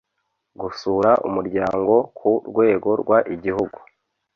gusura umuryango ku rwego rw igihugu